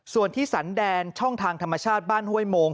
ส่วนที่สันแดนช่องทางธรรมชาติบ้านห้วยโมง